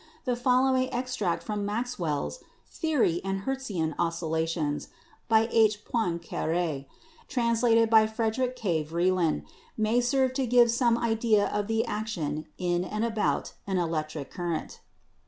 The following extract from 'Maxwell's Theory and Hertzian Oscillations,' by H. Poincare, trans lated by Frederick K. Vreeland, may serve to give some idea of the action in and about an electric circuit.